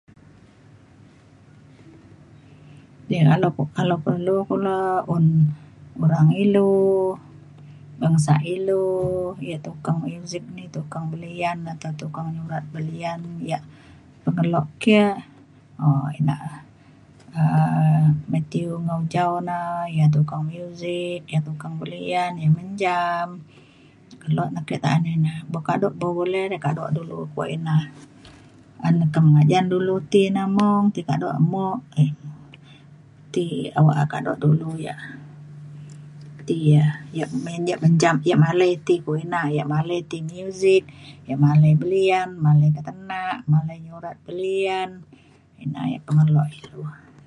[unintelligible] Kalau perlu kulo, un urang ilu bangsa ilu ya' tukang musik ni tukang belian atau tukang nyurat belian. Ya' pengeluk ke um ina um Mathew Ngau Jau na. Ia tukang musik, ia tukang belian, ia menjam keluk nekik ta'an ina boka du boleh re kaduk dulu kuak ina. An ekem majan dulu ti na mung ti kaduk mung eh ti awak ya kaduk dulu ya' ti ya ya' mencam ya malai ti kina ya malai ti musik, ya malai belian, malai petenak, malai nyorat belian ina ya' pengeluk ilu.